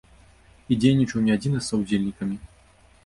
І дзейнічаў не адзін, а з саўдзельнікамі.